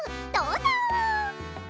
どうぞ！